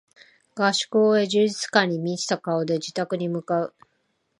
合宿を終え充実感に満ちた顔で自宅に向かう